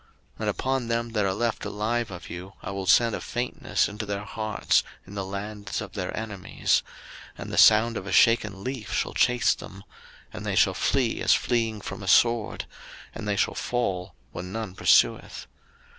03:026:036 And upon them that are left alive of you I will send a faintness into their hearts in the lands of their enemies; and the sound of a shaken leaf shall chase them; and they shall flee, as fleeing from a sword; and they shall fall when none pursueth.